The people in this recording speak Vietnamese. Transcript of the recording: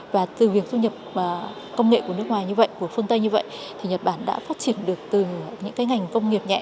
và từ việc du nhập công nghệ của nước ngoài như vậy của phương tây như vậy thì nhật bản đã phát triển được từ những cái ngành công nghiệp nhẹ